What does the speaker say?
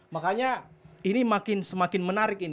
makanya ini semakin menarik